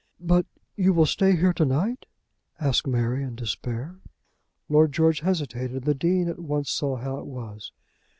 "But you will stay here to night?" asked Mary, in despair. Lord George hesitated, and the Dean at once saw how it was.